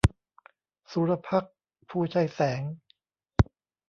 สุรภักดิ์ ภูไชยแสง